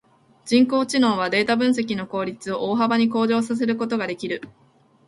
人工知能はデータ分析の効率を大幅に向上させることができる。